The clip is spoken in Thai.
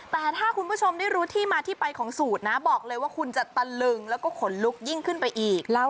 แต่ถ้าคุณผู้ชมได้รู้ที่มาที่ไปของสูตรนะบอกเลยว่าคุณจะตะลึงแล้วก็ขนลุกยิ่งขึ้นไปอีก